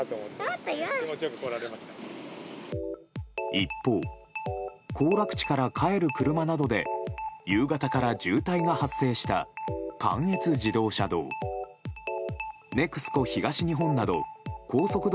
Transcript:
一方、行楽地から帰る車などで夕方から渋滞が発生した関越自動車道。